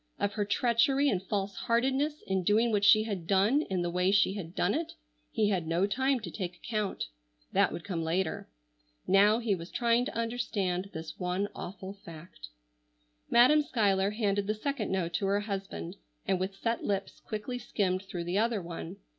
Of her treachery and false heartedness in doing what she had done in the way she had done it, he had no time to take account. That would come later. Now he was trying to understand this one awful fact. Madam Schuyler handed the second note to her husband, and with set lips quickly skimmed through the other one.